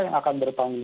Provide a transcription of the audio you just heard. dan juga teman teman kita